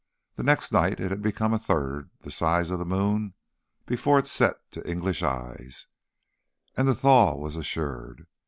The next night it had become a third the size of the moon before it set to English eyes, and the thaw was assured.